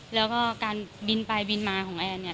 แล้วก็การบินไปบินมาของแอนเนี่ย